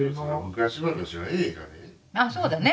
あそうだね。